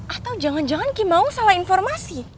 atau jangan jangan kimau salah informasi